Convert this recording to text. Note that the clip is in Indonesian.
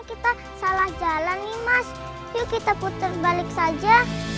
kita salah jalan nih mas yuk kita putar balik saja